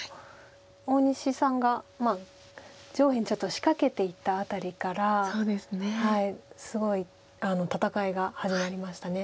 大西さんが上辺ちょっと仕掛けていった辺りからすごい戦いが始まりました。